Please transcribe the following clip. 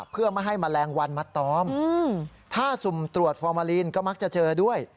เพื่อไม่ให้แมลงวันมาตอมถ้าสุ่มตรวจฟอร์มาลีนก็มักจะเจอด้วย